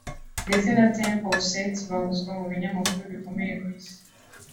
ndetse na ’’Temple of Set’’ bahozwa mu binyamakuru bikomeye ku isi